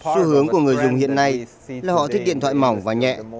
xu hướng của người dùng hiện nay là họ thiết điện thoại mỏng và nhẹ